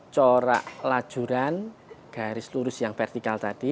corak lajuran garis turis yang vertikal tadi